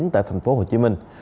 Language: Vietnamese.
tại thành phố hồ chí minh